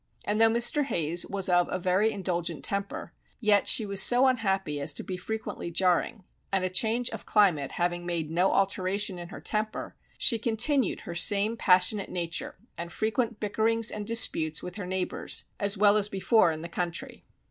And though Mr. Hayes was of a very indulgent temper, yet she was so unhappy as to be frequently jarring, and a change of climate having made no alteration in her temper, she continued her same passionate nature, and frequent bickerings and disputes with her neighbours, as well as before in the country.